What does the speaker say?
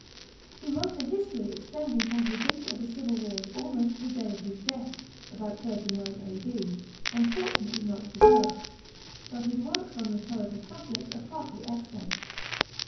He wrote a history extending from the b< ginning of the civil wars almost to the day of his death (about 39 A.D.). unfortu nately not preserved ; but his works on rhetorical subjects are partly extant.